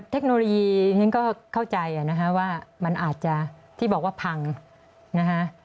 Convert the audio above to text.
เทคโนโลยีฉันก็เข้าใจนะคะว่ามันอาจจะที่บอกว่าพังนะคะ